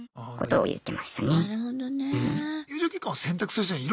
なるほどね。